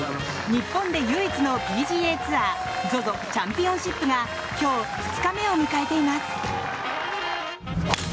日本で唯一のＰＧＡツアーＺＯＺＯチャンピオンシップが今日、２日目を迎えています。